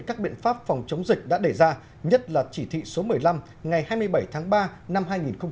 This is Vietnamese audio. các biện pháp phòng chống dịch đã đề ra nhất là chỉ thị số một mươi năm ngày hai mươi bảy tháng ba năm hai nghìn hai mươi